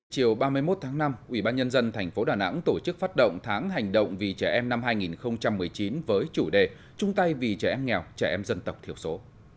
chiều ba mươi một tháng năm ubnd tp đà nẵng tổ chức phát động tháng hành động vì trẻ em năm hai nghìn một mươi chín với chủ đề trung tây vì trẻ em nghèo trẻ em dân tộc thiểu số